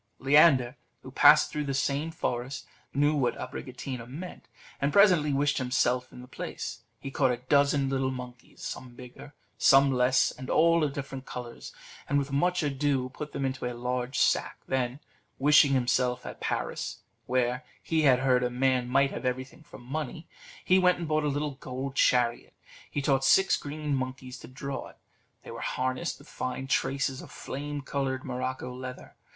Leander, who passed through the same forest, knew what Abricotina meant, and presently wished himself in the place. He caught a dozen of little monkeys, some bigger, some less, and all of different colours, and with much ado put them into a large sack; then, wishing himself at Paris, where, he had heard, a man might have everything for money, he went and bought a little gold chariot. He taught six green monkeys to draw it; they were harnessed with fine traces of flame coloured morocco leather.